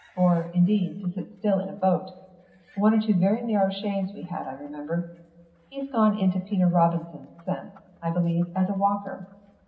Or, indeed, to sit still in a boat. One or two very narrow shaves we had I remember. He's gone into Peter Robinson's since, I believe, as walker.